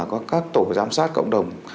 của các tổ giám sát cộng đồng